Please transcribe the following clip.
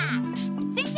先生！